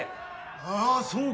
ああそうか。